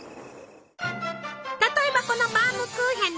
例えばこのバウムクーヘン。